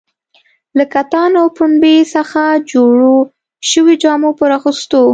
له کتان او پنبې څخه جوړو شویو جامو پر اغوستو.